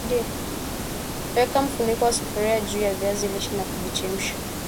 Weka mfuniko wa sufuria juu ya viazi lishe na kuvichemsha